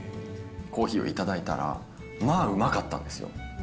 コーヒーを頂いたら、まあうまかったんですよ。